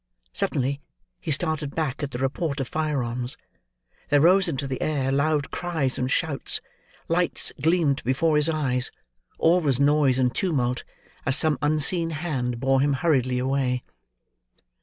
Suddenly, he started back at the report of firearms; there rose into the air, loud cries and shouts; lights gleamed before his eyes; all was noise and tumult, as some unseen hand bore him hurriedly away.